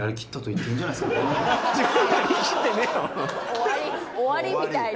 終わり終わりみたいな。